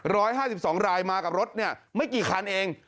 ร้อยห้าสิบสองรายมากับรถเนี่ยไม่กี่คันเอง